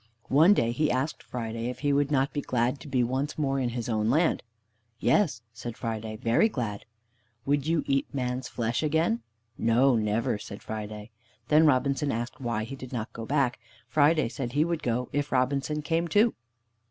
One day he asked Friday if he would not be glad to be once more in his own land. "Yes" said Friday; "very glad." "Would you eat man's flesh again?" "No, never," said Friday. Then Robinson asked why he did not go back. Friday said he would go if Robinson came too.